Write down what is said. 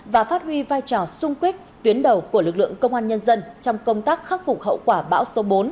và phát huy vai trò sung kích tuyến đầu của lực lượng công an nhân dân trong công tác khắc phục hậu quả bão số bốn